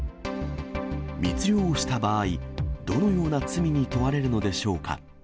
密漁をした場合、どのような罪に問われるのでしょうか。